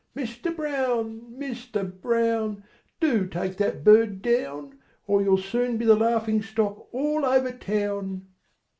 Mister Brown! Mister Brown! Do take that bird down, Or you'll soon be the laughing stock all over town!"